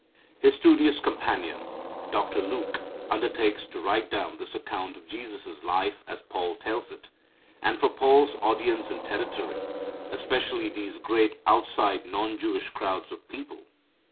His studious companion, Doctor Luke, undertakes to write down this account of Jesus' life as Paul tells it, and for Paul's audience and territory, especially these great outside non Jewish crowds of people.